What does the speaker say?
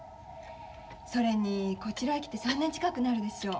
それにこちらへ来て３年近くなるでしょ。